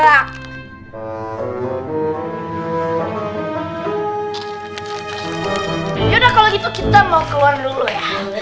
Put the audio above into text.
ya udah kalau gitu kita mau keluar dulu ya